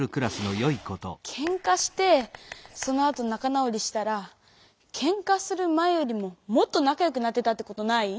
ケンカしてそのあと仲直りしたらケンカする前よりももっと仲よくなってたってことない？